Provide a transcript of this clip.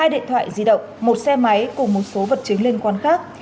hai điện thoại di động một xe máy cùng một số vật chứng liên quan khác